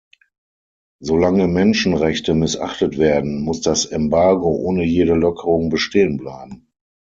Solange Menschenrechte missachtet werden, muss das Embargo ohne jede Lockerung bestehen bleiben.